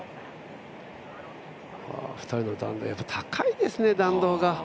２人の弾道、やっぱり高いですね、弾道が。